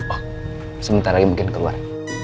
oh sebentar lagi mungkin keluar